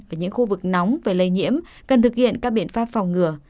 ở những khu vực nóng về lây nhiễm cần thực hiện các biện pháp phòng ngừa